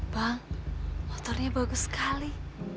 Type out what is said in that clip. bang motornya bagus sekali